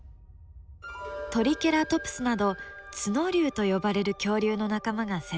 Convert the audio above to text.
トリケラトプスなど角竜と呼ばれる恐竜の仲間が専門の恐竜学者です。